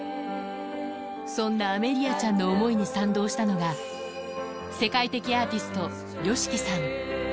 そんなアメリアちゃんの思いに賛同したのが、世界的アーティスト、ＹＯＳＨＩＫＩさん。